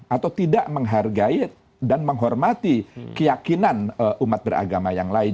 atau tidak menghargai dan menghormati keyakinan umat beragama yang lain